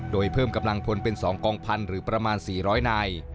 โดยเพิ่มกำลังพลเป็น๒กองพันธุ์หรือประมาณ๔๐๐นาย